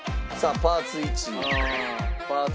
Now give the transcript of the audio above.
「パーツ３」